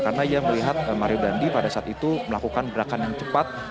karena ia melihat mario dandwi pada saat itu melakukan gerakan yang cepat